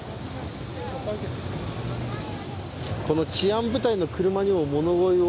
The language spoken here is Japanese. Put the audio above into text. この治安部隊の車にも物乞いを。